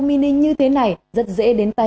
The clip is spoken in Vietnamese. mini như thế này rất dễ đến tay